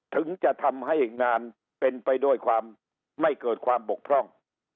ถึงจะทำให้งานเป็นไปด้วยความไม่เกิดความบกพร่อง